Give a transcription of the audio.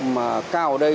mà cao ở đây